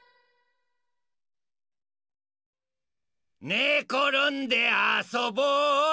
「ねころんであそぼうよ」